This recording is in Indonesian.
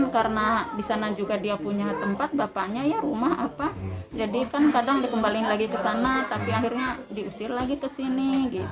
karena di sana juga dia punya tempat bapaknya rumah jadi kan kadang dikembalikan lagi ke sana tapi akhirnya diusir lagi ke sini